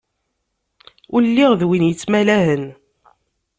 Ur lliɣ d win yettmalahen.